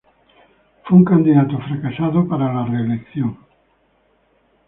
Fue un candidato fracasado para la reelección.